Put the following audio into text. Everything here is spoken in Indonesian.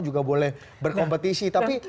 juga boleh berkompetisi tapi